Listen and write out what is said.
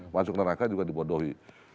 masuk neraka juga dibodohi